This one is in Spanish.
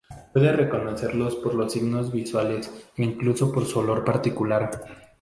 Puede reconocerlos por los signos visuales e incluso por su olor particular.